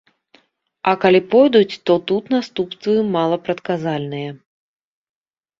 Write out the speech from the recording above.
А калі пойдуць, то тут наступствы малапрадказальныя.